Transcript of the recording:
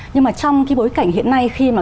nhưng mà trong cái bối cảnh hiện nay khi mà